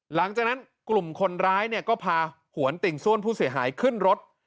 หลังจากนั้นกลุ่มคนร้ายเนี่ยก็พาหวนติ่งซ่วนผู้เสียหายขึ้นรถ